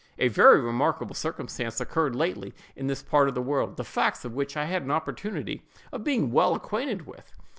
A very remarkable circumstance occurred lately in this part of the world, the facts of which I had an opportunity of being well acquainted with.